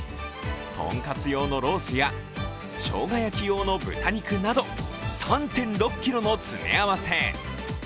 とんかつ用のロースやしょうが焼き用の豚肉など３．６ｋｇの詰め合わせ。